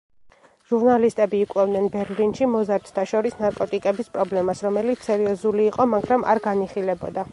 ჟურნალისტები იკვლევდნენ ბერლინში მოზარდთა შორის ნარკოტიკების პრობლემას, რომელიც სერიოზული იყო, მაგრამ არ განიხილებოდა.